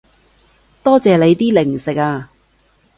多謝你啲零食啊